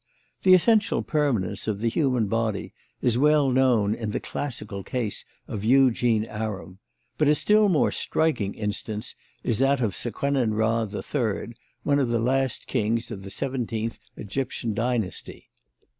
The essential permanence of the human body is well shown in the classical case of Eugene Aram; but a still more striking instance is that of Seqenen Ra the Third, one of the last kings of the seventeenth Egyptian dynasty.